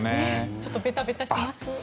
ちょっとベタベタします。